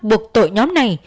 buộc tội nhóm này